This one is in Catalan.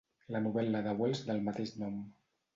La novel·la de Wells del mateix nom.